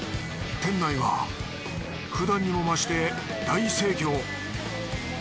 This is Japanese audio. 店内はふだんにもまして大盛況。